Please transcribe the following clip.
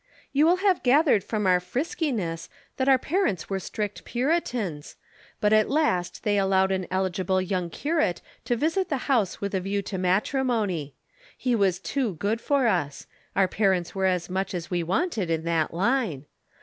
You will have gathered from our friskiness that our parents were strict Puritans, but at last they allowed an eligible young curate to visit the house with a view to matrimony. He was too good for us; our parents were as much as we wanted in that line.